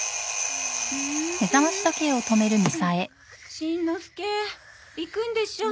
しんのすけ行くんでしょ？